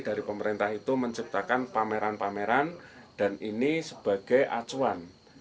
dari pemerintah itu menciptakan pameran pameran dan ini sebagai acuan